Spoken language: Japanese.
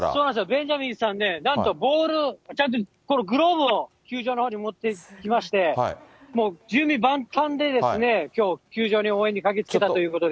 ベンジャミンさん、なんとボール、このグローブを、球場のほうに持ってきまして、準備万端できょう、球場に応援に駆けつけたということで。